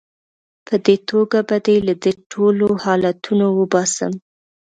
په دې توګه به دې له دې ټولو حالتونو وباسم.